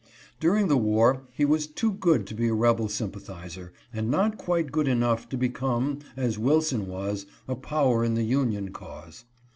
During the war he was too good to be a rebel sympa thizer, and not quite good enough to become as Wilson was — a power in the union cause.